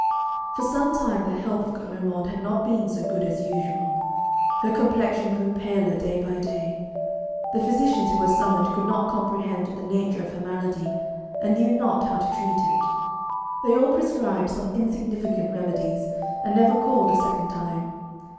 For some time the health of Clarimonde had not been so good as usual; her complexion grew paler day by day. The physicians who were summoned could not comprehend the nature of her malady and knew not how to treat it. They all prescribed some insignificant remedies, and never called a second time.